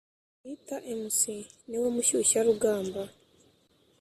uyu bita “mc” niwe mushyushyarugamba,